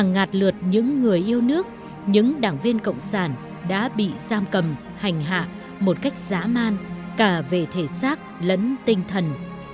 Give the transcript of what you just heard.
ngạt những người yêu nước những đảng viên cộng sản đã bị giam cầm hành hạ một cách dã man cả về thể xác lẫn tinh thần